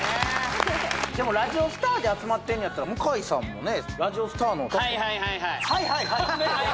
でもラジオスターで集まってんのやったら向井さんもねラジオスターのトップはいはいはいはいはいはいはい？